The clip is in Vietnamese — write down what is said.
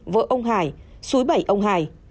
vợ ông hải suối bảy ông hải